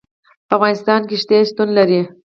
په افغانستان کې ښتې شتون لري.